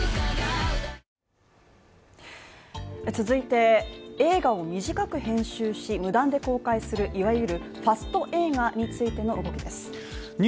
続いて、映画を短く編集し無断で公開するいわゆるファスト映画についての動きです。